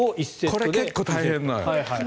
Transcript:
これ結構大変なんです。